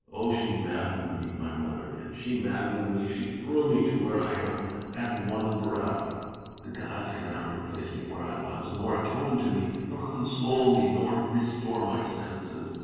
Oh, she maddened me, my mother did, she maddened me — she threw me to where I am at one breath. The gods cannot replace me where I was, nor atone to me, nor console me, nor restore my senses.